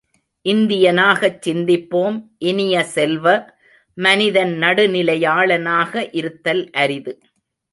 இந்தியனாகச் சிந்திப்போம் இனிய செல்வ, மனிதன் நடுநிலையாளனாக இருத்தல் அரிது.